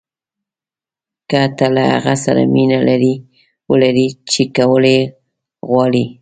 که تۀ له هغه څه سره مینه ولرې چې کول یې غواړې.